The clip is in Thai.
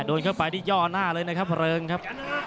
โดนเข้าไปนี่ย่อหน้าเลยนะครับเริงครับ